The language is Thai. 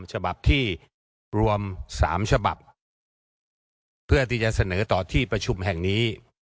ฉบับที่รวม๓ฉบับเพื่อที่จะเสนอต่อที่ประชุมแห่งนี้